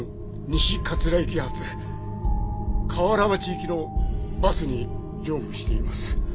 西桂駅発河原町行きのバスに乗務しています。